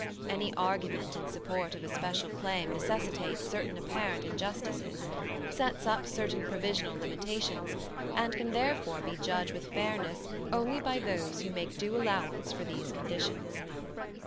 Any argument in support of a special claim necessitates certain apparent injustices, sets up certain provisional limitations, and can therefore be judged with fairness only by those who make due allowance for these conditions.